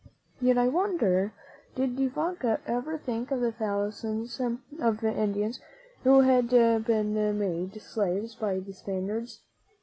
Yet, I wonder, did De Vaca ever think of the thousands of Indians who had been made slaves by the Spaniards?